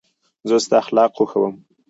زه ستا اخلاق خوښوم.